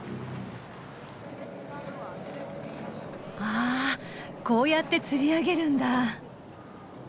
あこうやってつり上げるんだ。